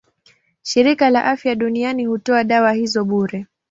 Shirika la Afya Duniani hutoa dawa hizo bure.